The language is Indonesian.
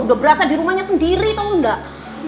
udah berasa dirumahnya sendiri tau gak